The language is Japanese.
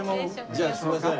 じゃあすみません。